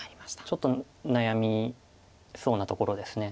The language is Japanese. ちょっと悩みそうなところです。